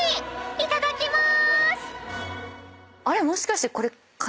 いただきまーす。